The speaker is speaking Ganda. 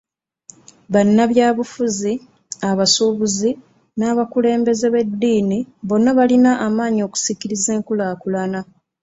Bannabyabufuzi ,abasuubuzi n'abakulembeze b'eddiini bonna balina amaanyi okusikiriza enkulaakulana .